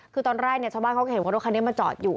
คือตอนแรกชาวบ้านเขาก็เห็นว่ารถคันนี้มาจอดอยู่